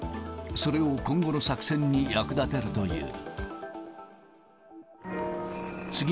それを今後の作戦に役立てるという。